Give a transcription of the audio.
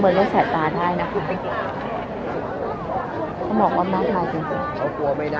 มันเป็นสิ่งที่จะให้ทุกคนรู้สึกว่ามันเป็นสิ่งที่จะให้ทุกคนรู้สึกว่า